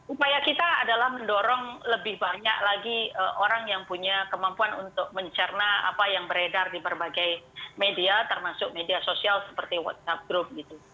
upaya kita adalah mendorong lebih banyak lagi orang yang punya kemampuan untuk mencerna apa yang beredar di berbagai media termasuk media sosial seperti whatsapp group gitu